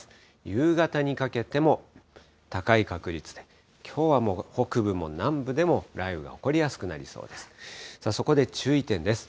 夕方にかけても高い確率で、きょうはもう北部も、南部でも、雷雨が起こりやすくなりそうです。